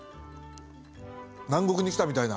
南国に来たみたいな。